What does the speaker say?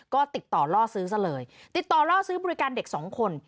ก็ติดต่อล่อซื้อซะเลยติดต่อล่อซื้อบริการเด็กสองคน